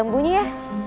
bunga bunyi ya